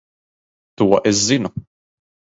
To es zinu.